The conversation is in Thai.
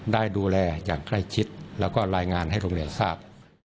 ได้ดูแลอย่างใกล้ชิดแล้วก็รายงานให้โรงเรียนทราบ